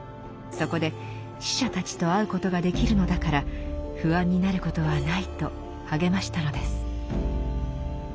そこで死者たちと会うことができるのだから不安になることはないと励ましたのです。